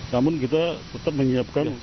namun kita tetap menyiapkan